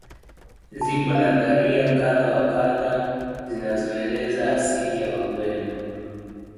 Zipo nadharia kadha wa kadha zinazoeleza asili ya wagweno